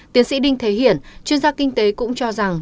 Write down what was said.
tiến sĩ đinh thế hiển chuyên gia kinh tế cũng cho rằng